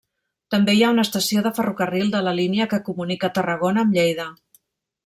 També hi ha una estació de ferrocarril de la línia que comunica Tarragona amb Lleida.